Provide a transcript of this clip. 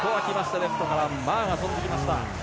レフトからマーが跳んできました。